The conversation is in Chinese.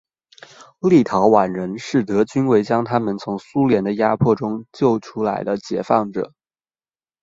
立陶宛人视德军为将他们从苏联的压迫中救出来的解放者。